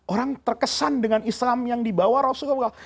orang terkesan dengan islam yang dibawa rasulullah